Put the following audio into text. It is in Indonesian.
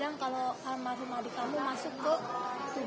saya di telpon sama abangnya temennya